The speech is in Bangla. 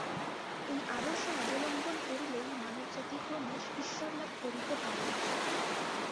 এই আদর্শ অবলম্বন করিলেই মানবজাতি ক্রমশ ঈশ্বর লাভ করিতে পারে।